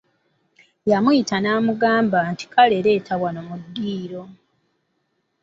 Yamuyita n'amugamba nti"kale leeta wano mu ddiiro"